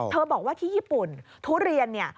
บอกว่าที่ญี่ปุ่นทุเรียนเนี่ย